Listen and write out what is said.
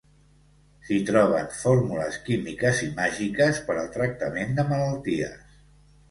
S'hi troben fórmules químiques i màgiques per al tractament de malalties.